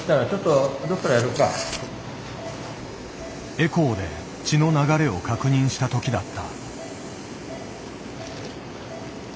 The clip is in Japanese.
エコーで血の流れを確認した時だった。